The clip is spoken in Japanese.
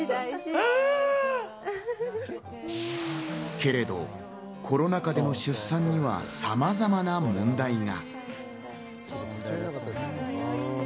けれど、コロナ禍での出産にはさまざまな問題が。